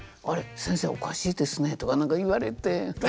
「あれ先生おかしいですね」とかなんか言われて。